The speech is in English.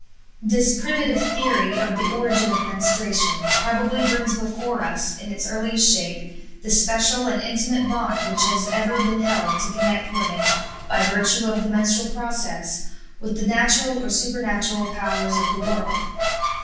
This primitive theory of the origin of menstruation probably brings before us in its earliest shape the special and intimate bond which has ever been held to connect women, by virtue of the menstrual process, with the natural or supernatural powers of the world.